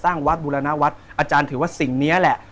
สร้างวัดบูรณาวัดอาจารย์ถือว่าสิ่งเนี้ยแหละ